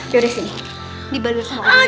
yaudah sini dibalur sama uang ya